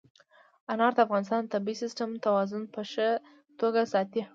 انار د افغانستان د طبعي سیسټم توازن په ښه توګه ساتي.